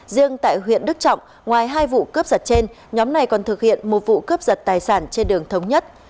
riêng tại huyện đức trọng ngoài hai vụ cướp giật trên nhóm này còn thực hiện một vụ cướp giật tài sản trên đường thống nhất